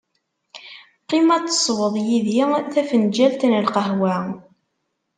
Qqim ad tesweḍ yid-i tafenǧalt n lqahwa.